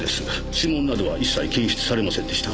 指紋などは一切検出されませんでした。